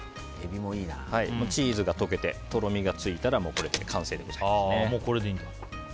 チーズが溶けてとろみがついたらもうこれで完成でございます。